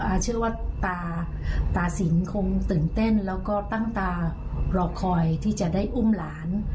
เชื่อว่าตาตาสินคงตื่นเต้นแล้วก็ตั้งตารอคอยที่จะได้อุ้มหลาน